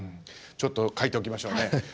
ちょっと書いておきましょうね。